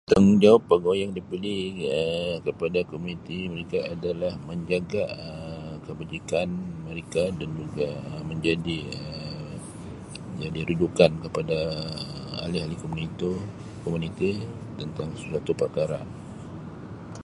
Tanggungjawab [unintelligible] yang diberi Um kepada komuniti merika adalah menjaga Um kebajikan merika dan juga menjadi Um menjadi rujukan kepada Um ahli-ahli [unintelligible] itu- komuniti, tentang sesuatu parkara.